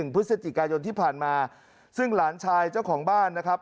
พฤศจิกายนที่ผ่านมาซึ่งหลานชายเจ้าของบ้านนะครับ